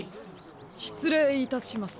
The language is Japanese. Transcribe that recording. しつれいいたします。